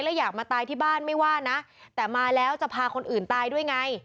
แล้วอยากมาตายที่บ้านไม่ว่านะแต่มาแล้วจะพาคนอื่นตายด้วยไง